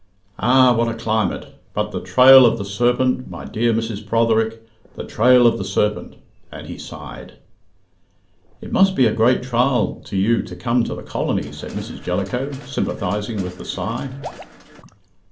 Ah! what a climate but the Trail of the Serpent, my dear Mrs. Protherick the Trail of the Serpent " and he sighed. "It must be a great trial to you to come to the colony," said Mrs. Jellicoe, sympathizing with the sigh.